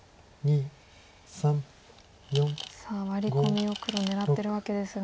さあワリコミを黒狙ってるわけですが。